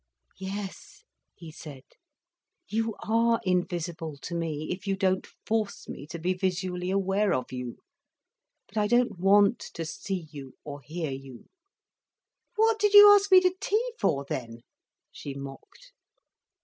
"Yes," he said, "you are invisible to me, if you don't force me to be visually aware of you. But I don't want to see you or hear you." "What did you ask me to tea for, then?" she mocked.